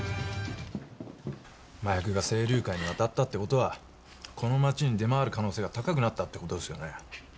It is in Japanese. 麻薬が青竜会に渡ったってことはこの街に出回る可能性が高くなったってことですよね。